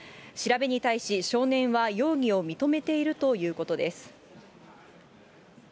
調べに対し少年は容疑を認めているということです。